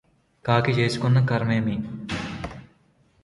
కాకి చేసుకొన్న కర్మమేమి